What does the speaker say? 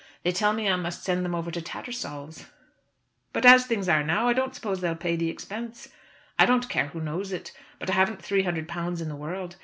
They tell me I must send them over to Tattersall's. But as things are now I don't suppose they'll pay the expense. I don't care who knows it, but I haven't three hundred pounds in the world.